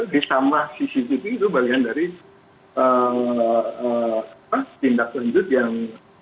ditambah cctv itu bagian dari tindak lanjut yang